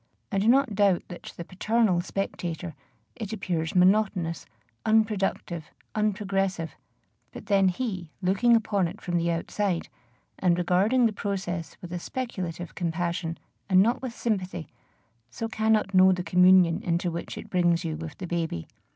I do not doubt that to the paternal spectator it appears monotonous, unproductive, unprogressive; but then he, looking upon it from the outside, and regarding the process with a speculative compassion, and not with sympathy, so cannot know the communion into which it brings you with the baby.